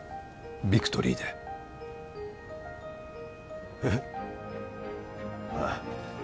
ビクトリーでえっまあ